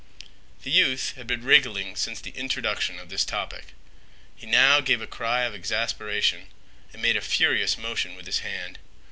The youth had been wriggling since the introduction of this topic. He now gave a cry of exasperation and made a furious motion with his hand.